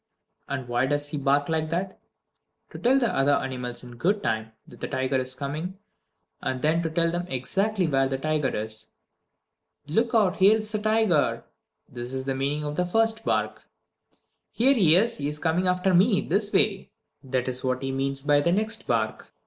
And why does he bark like that? To tell the other animals in good time that the tiger is coming, and then to tell them exactly where the tiger is. "Look out, here's a tiger!" That is the meaning of his first bark. "Here he is! He is coming after me this way!" That is what he means by the next bark.